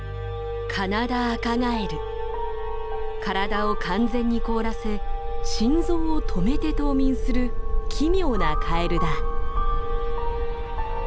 体を完全に凍らせ心臓を止めて冬眠する奇妙なカエルだ。